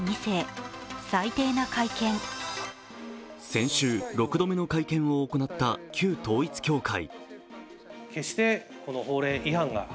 先週、６度目の会見を行った旧統一教会。